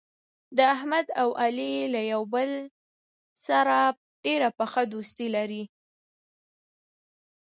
د احمد او علي یو له بل سره ډېره پخه دوستي لري.